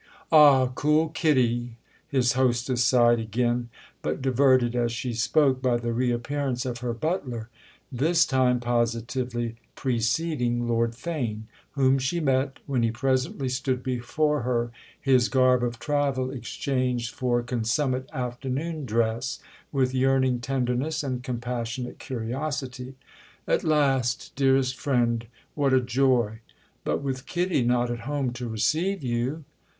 "Ah cool Kitty!" his hostess sighed again—but diverted, as she spoke, by the reappearance of her butler, this time positively preceding Lord Theign, whom she met, when he presently stood before her, his garb of travel exchanged for consummate afternoon dress, with yearning tenderness and compassionate curiosity. "At last, dearest friend—what a joy! But with Kitty not at home to receive you?"